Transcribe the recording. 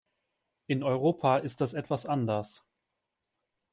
In Europa ist das etwas anders.